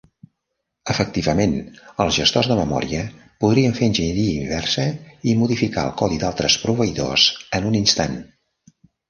Efectivament, els gestors de memòria podrien fer enginyeria inversa i modificar el codi d"altres proveïdors en un instant.